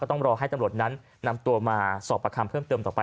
ต้องรอให้ตำรวจนั้นนำตัวมาสอบประคำเพิ่มเติมต่อไป